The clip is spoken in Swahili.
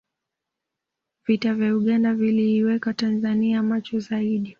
vita vya uganda viliiweka tanzania macho zaidi